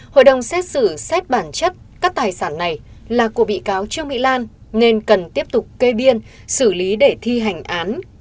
hội đồng xét xử xét bản chất các tài sản này là của bị cáo trương mỹ lan nên cần tiếp tục kê biên xử lý để thi hành án